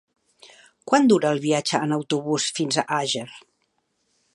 Quant dura el viatge en autobús fins a Àger?